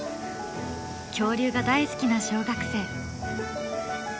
恐竜が大好きな小学生。